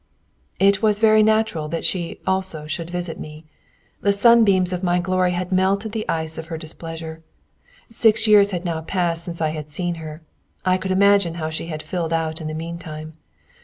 It was very natural that she also should visit me. The sunbeams of my glory had melted the ice of her displeasure. Six years had now passed since I had seen her. I could imagine how she had filled out in the meantime.